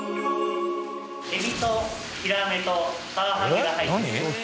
エビとヒラメとカワハギが入っています。